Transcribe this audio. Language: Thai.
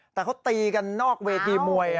แต่เขาตีกันนอกเวทีมวย